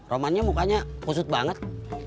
romannya mukanya pusut banget